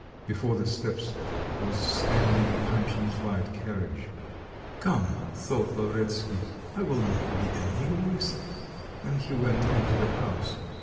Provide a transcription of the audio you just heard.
Before the steps was standing Panshin's light carriage. "Come," though Lavretsky, "I will not be an egoist" and he went into the house.